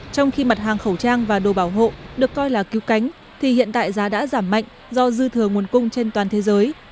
trong khi mặt hàng khẩu trang và đồ bảo hộ được coi là cứu cánh thì hiện tại giá đã giảm mạnh do dư thừa nguồn cung trên toàn thế giới